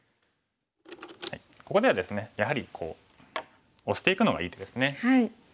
ここではですねやはり押していくのがいい手ですね。